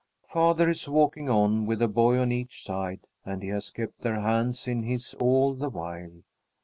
Father is walking on, with a boy on each side, and he has kept their hands in his all the while.